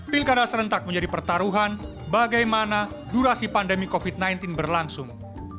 pilkada serentak menjadi pertaruhan bagaimana durasi pandemi covid sembilan belas berlangsung